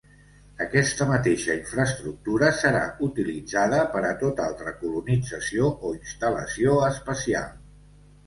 Aquesta mateixa infraestructura serà utilitzada per a tot altra colonització o instal·lació espacial.